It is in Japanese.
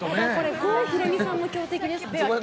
郷ひろみさんも強敵ですね。